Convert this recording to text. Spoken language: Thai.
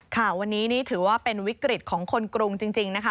ค่ะวันนี้นี่ถือว่าเป็นวิกฤตของคนกรุงจริงนะคะ